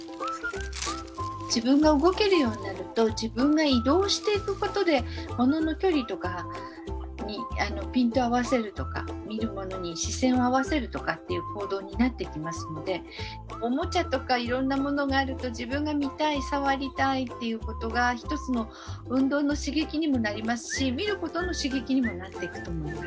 自分が動けるようになると自分が移動していくことでものの距離とかにピントを合わせるとか見るものに視線を合わせるとかっていう行動になってきますのでおもちゃとかいろんなものがあると自分が見たい触りたいということが一つの運動の刺激にもなりますし見ることの刺激にもなっていくと思います。